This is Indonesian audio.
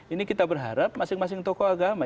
ini kita berharap masing masing tokoh agama